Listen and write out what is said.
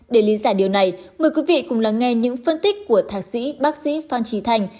để lý giải điều này mời quý vị cùng lắng nghe những phân tích của thạc sĩ bác sĩ phan trí thành